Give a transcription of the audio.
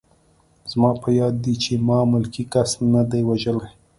زما په یاد دي چې ما ملکي کس نه دی وژلی